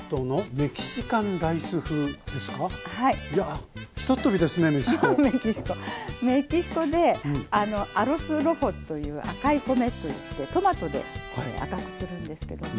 メキシコで「アロスロホ」という赤い米っていってトマトで赤くするんですけども。